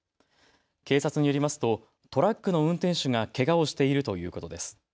警察によりますとトラックの運転手がけがをしているということです。